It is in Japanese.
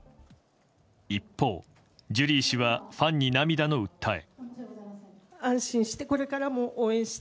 一方、ジュリー氏はファンに涙の訴え。